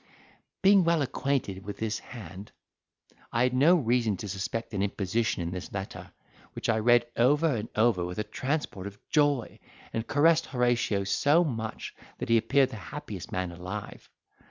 'Being well acquainted with this hand, I had no reason to suspect an imposition in this letter, which I read over and over with a transport of joy, and caressed Horatio so much that he appeared the happiest man alive.